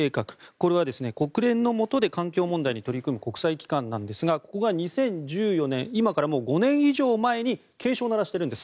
これは国連のもとで環境問題に取り組む国際機関なんですがここが２０１４年今からもう５年以上前に警鐘を鳴らしているんです。